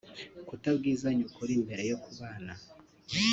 Kutabwizanya ukuri mbere yo kubana